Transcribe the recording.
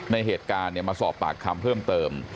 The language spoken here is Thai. ในเหตุการณ์มาสอบปากคำเพิ่มเติม